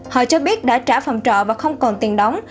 họ cho biết đã trả phòng trọ và không còn tiền đóng